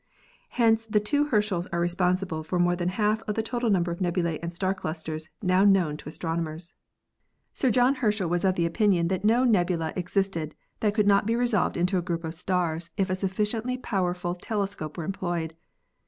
Hence the two Herschels are responsible for more than half of the total number of nebulae and star clusters now known to astronomers. Spiral Nebula in Messier 33 Trianguli. NEBULAE AND STAR CLUSTERS 297 Sir John Herschel was of the opinion that no nebula ex isted that could not be resolved into a group of stars if a sufficiently powerful telescope were employed.